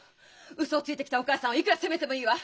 ウソをついてきたお母さんをいくら責めてもいいわ。